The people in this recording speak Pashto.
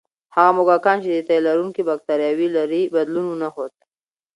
هغه موږکان چې د تیلرونکي بکتریاوې لري، بدلون ونه ښود.